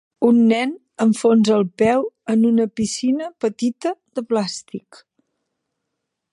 Un nen enfonsa el peu en una piscina petita de plàstic.